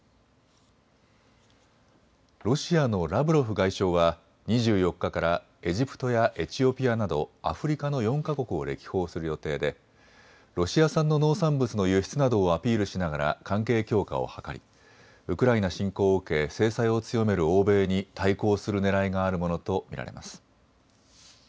ロシアのラブロフ外相は２４日からエジプトやエチオピアなどアフリカの４か国を歴訪する予定でロシア産の農産物の輸出などをアピールしながら関係強化を図りウクライナ侵攻を受け制裁を強める欧米に対抗するねらいがあるものと見られます。